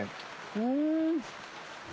うん。